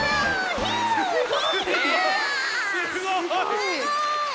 すごい。